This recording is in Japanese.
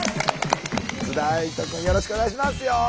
津田愛土くんよろしくお願いしますよ。